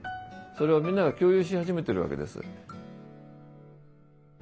それをみんなが共有し始めてるわけです。